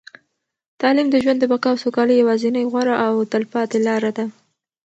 تعلیم د ژوند د بقا او سوکالۍ یوازینۍ، غوره او تلپاتې لاره ده.